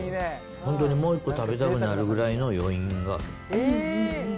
本当にもう１個食べたくなるぐらいの余韻がある。